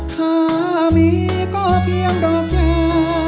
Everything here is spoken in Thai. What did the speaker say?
ถ้ามีก็เพียงดอกยา